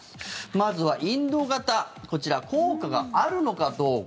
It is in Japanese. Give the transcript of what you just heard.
まずはインド型こちら、効果があるのかどうか。